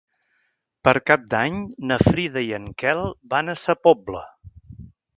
Per Cap d'Any na Frida i en Quel van a Sa Pobla.